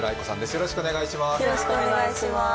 よろしくお願いします